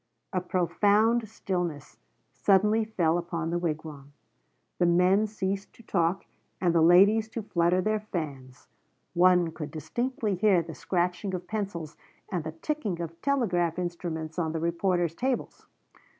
A profound stillness suddenly fell upon the wigwam; the men ceased to talk and the ladies to flutter their fans; one could distinctly hear the scratching of pencils and the ticking of telegraph instruments on the reporters' tables.